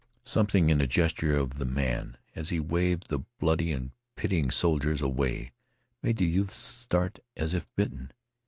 Something in the gesture of the man as he waved the bloody and pitying soldiers away made the youth start as if bitten.